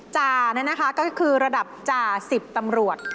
จ่านี่นะคะก็คือระดับจ่าสิบตำรวจ